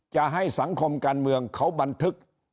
จะให้สังคมการเมืองเขาบันทึก